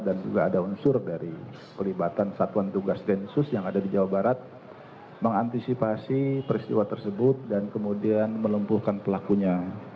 dan juga ada unsur dari pelibatan satuan tugas densus yang ada di jawa barat mengantisipasi peristiwa tersebut dan kemudian melempuhkan pelakunya